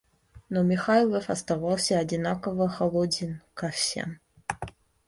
Но Михайлов оставался одинаково холоден ко всем.